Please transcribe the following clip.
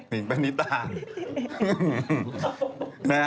ผิงแปนนิตา